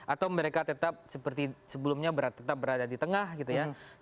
atau mereka tetap seperti sebelumnya tetap berada di tengah gitu ya